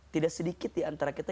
tidak sedikit diantara kita